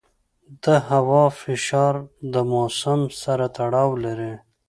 د هوا فشار د موسم سره تړاو لري.